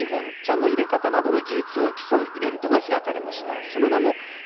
小学生が日本茶のいれ方などの技術を競うイベントが開かれました。